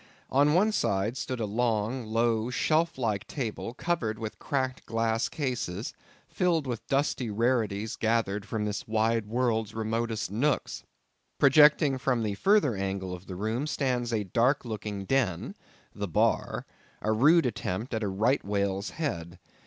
On one side stood a long, low, shelf like table covered with cracked glass cases, filled with dusty rarities gathered from this wide world's remotest nooks. Projecting from the further angle of the room stands a dark looking den—the bar—a rude attempt at a right whale's head.